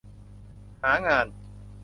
หางาน